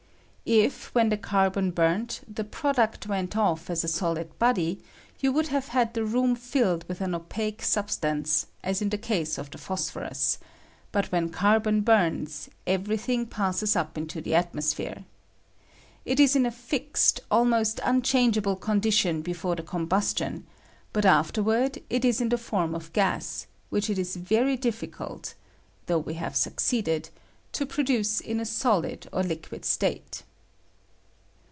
If, when the carbon burnt, the product went off as a solid body, you k would have had the room filled with an opaque Bubstance, as in the case of the phosphorus; but when carbon bums, every thing passes up 1 I r ■ i:: COMBUSTION AND KESPrRATION. 167 into the atmosphere. It is in a fixed, almost unchangeable condition before the combustion ; but afterward it is in the form of gas, which it is very difficult (though we have succeeded) to produce in a aohd or liquid state.